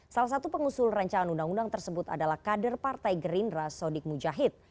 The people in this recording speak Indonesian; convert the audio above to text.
salah satu pengusul rancangan undang undang tersebut adalah kader partai gerindra sodik mujahid